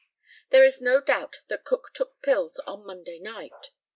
There is no doubt that Cook took pills on Monday night.